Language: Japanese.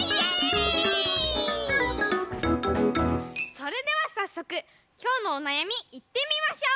それではさっそくきょうのおなやみいってみましょう！